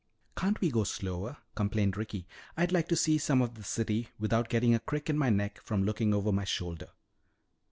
"Can't we go slower?" complained Ricky. "I'd like to see some of the city without getting a crick in my neck from looking over my shoulder.